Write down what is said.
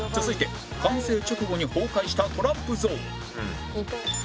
続いて完成直後に崩壊したトランプゾーン